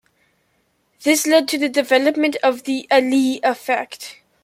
This led to the development of The Allee effect.